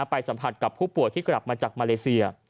ไปสัมผัสกับผู้ป่วยที่กลับมาจากมาเลเซีย